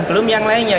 belum yang lainnya